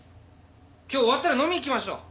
今日終わったら飲みに行きましょう！